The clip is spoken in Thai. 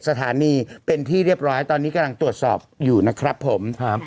สถานีเป็นที่เรียบร้อยตอนนี้กำลังตรวจสอบอยู่นะครับผมครับ